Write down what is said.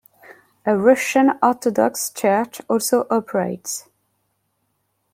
A Russian Orthodox church also operates.